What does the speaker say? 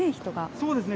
そうですね。